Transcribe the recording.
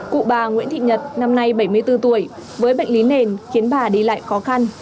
cụ bà nguyễn thị nhật năm nay bảy mươi bốn tuổi với bệnh lý nền khiến bà đi lại khó khăn